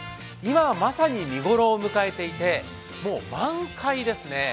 今まさに見頃を迎えていて、もう満開ですね。